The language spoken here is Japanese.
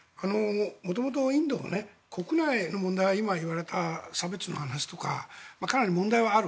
元々、インドは国内の問題は今、言われた差別の話とかかなり問題はある。